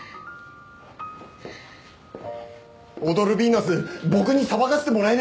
踊るビーナス僕にさばかせてもらえねえか？